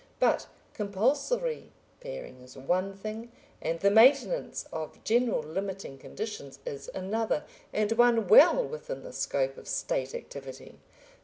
But compulsory pairing is one thing, and the maintenance of general limiting conditions is another, and one well within the scope of State activity.